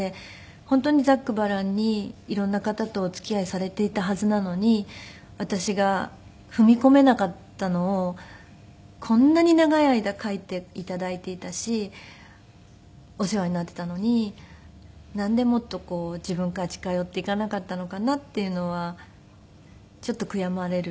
本当にざっくばらんに色んな方とお付き合いされていたはずなのに私が踏み込めなかったのをこんなに長い間書いて頂いていたしお世話になっていたのになんでもっとこう自分から近寄って行かなかったのかなっていうのはちょっと悔やまれる。